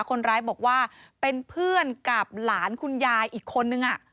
คนร้ายบอกว่าเป็นเพื่อนกับหลานคุณยายอีกคนนึง